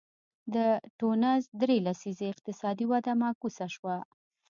د ټونس درې لسیزې اقتصادي وده معکوسه شوه.